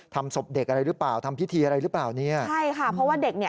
ศพเด็กอะไรหรือเปล่าทำพิธีอะไรหรือเปล่าเนี่ยใช่ค่ะเพราะว่าเด็กเนี่ย